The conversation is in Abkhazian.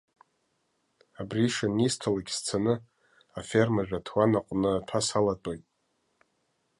Абри шынисҭалак сцаны, афермажә аҭуан аҟны аҭәа салатәоит.